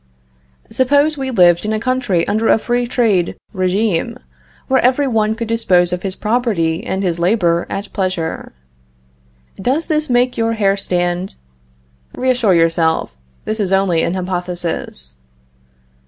Suppose we lived in a country under a free trade regime, where every one could dispose of his property and his labor at pleasure. Does this make your hair stand? Reassure yourself, this is only an hypothesis.